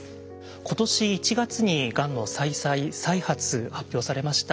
今年１月にがんの再々再発発表されました。